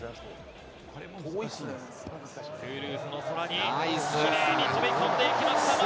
トゥールーズの空に、キレイに蹴り込んでいきました！